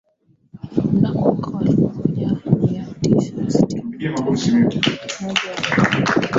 Mnamo mwaka elfu moja mia tisa sitini na tatu mwezi wa kumi